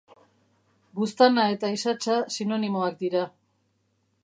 Buztana eta isatsa sinonimoak dira.